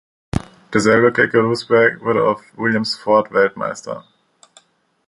Derselbe Keke Rosberg wurde auf Williams-Ford Weltmeister.